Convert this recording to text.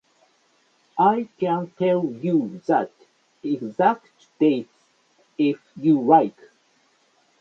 I can tell you the exact dates if you like.